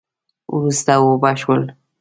وروسته اوبه شول